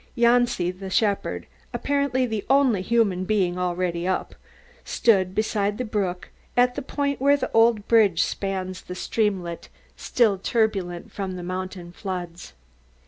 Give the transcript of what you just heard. Janci the shepherd, apparently the only human being already up, stood beside the brook at the point where the old bridge spans the streamlet, still turbulent from the mountain floods.